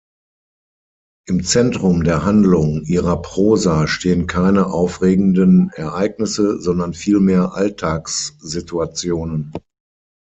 Im Zentrum der Handlung ihrer Prosa stehen keine aufregenden Ereignisse, sondern vielmehr Alltagssituationen.